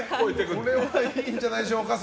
これはいいんじゃないでしょうか。